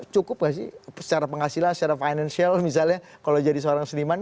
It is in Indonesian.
cukup gak sih secara penghasilan secara financial misalnya kalau jadi seorang seniman